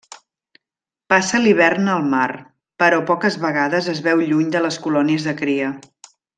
Passa l'hivern al mar, però poques vegades es veu lluny de les colònies de cria.